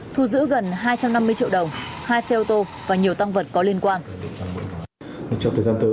thu giữ gần hai trăm năm mươi triệu đồng hai xe ô tô và nhiều tăng vật có liên quan